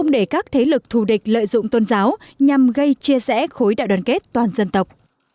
để các thế lực thù địch lợi dụng tôn giáo nhằm gây chia rẽ khối đại đoàn kết toàn dân tộc